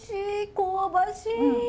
香ばしい！